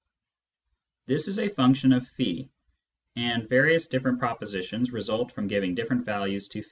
This is a function of cf>, and various different propositions result from giving different values to